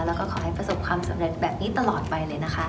แล้วก็ขอให้ประสบความสำเร็จแบบนี้ตลอดไปเลยนะคะ